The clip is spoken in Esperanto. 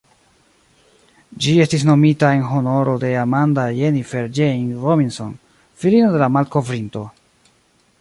Ĝi estis nomita en honoro de "Amanda Jennifer Jane Robinson", filino de la malkovrinto.